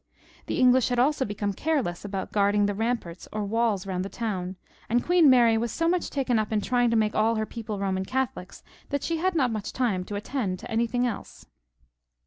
The English had also become careless about guarding the ramparts or walls round the town, and Queen Mary was so much taken up in trying to make all her people Boman Catholics that she had not much time to attend to anything else.